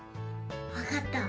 わかった！